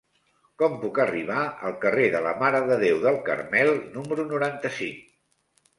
Com puc arribar al carrer de la Mare de Déu del Carmel número noranta-cinc?